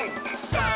さあ！